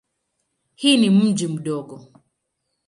Hii ni mji mdogo.